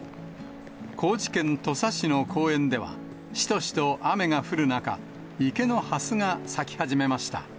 高知県土佐市の公園では、しとしと雨が降る中、池のハスが咲き始めました。